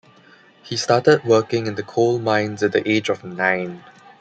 He started working in the coal mines at the age of nine.